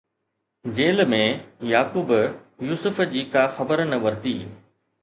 jail ۾، Yaqoob Yousuf جي ڪا خبر نه ورتي